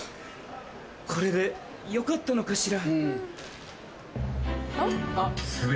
これでよかったのかしら？